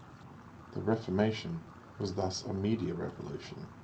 The Reformation was thus a media revolution.